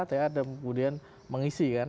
ta kemudian mengisi kan